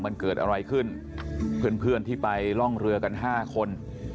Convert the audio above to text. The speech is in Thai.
มันเกิดอะไรขึ้นเพื่อนเพื่อนที่ไปร่องเรือกัน๕คน